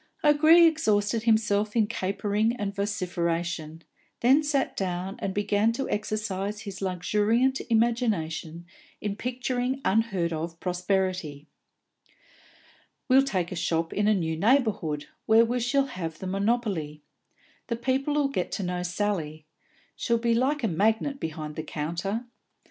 O'Gree exhausted himself in capering and vociferation, then sat down and began to exercise his luxuriant imagination in picturing unheard of prosperity. "We'll take a shop in a new neighbourhood, where we shall have the monopoly. The people 'll get to know Sally; she'll be like a magnet behind the counter.